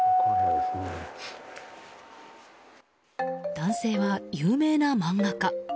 男性は有名な漫画家。